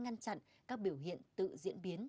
ngăn chặn các biểu hiện tự diễn biến